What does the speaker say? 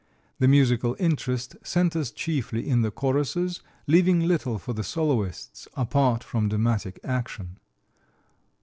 The musical interest centers chiefly in the choruses, leaving little for the soloists, apart from dramatic action.